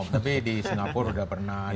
tapi di singapura sudah pernah